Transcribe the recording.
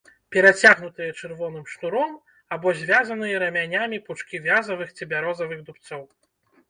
Перацягнутыя чырвоным шнуром або звязаныя рамянямі пучкі вязавых ці бярозавых дубцоў.